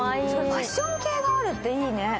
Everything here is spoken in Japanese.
ファッション系があるっていいね。